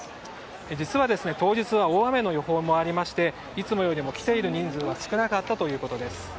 実は当日は大雨の予報もありましていつもより来ている人数は少なかったということです。